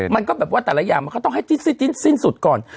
มันก็แบบว่าแต่ละอย่างมันก็ต้องให้จิ้นสิ้นสุดก่อน